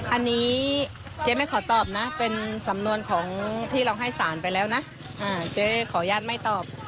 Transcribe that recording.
อันนี้เจ๊ไม่ขอตอบนะเป็นสำนวนของที่เราให้สารไปแล้วนะเจ๊ขออนุญาตไม่ตอบ